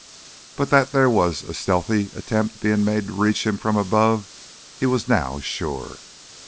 But that there was a stealthy attempt being made to reach him from above he was now sure.